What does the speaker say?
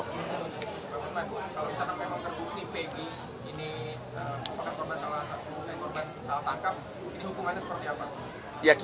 bapak ibu kalau misalnya memang terbukti peggy ini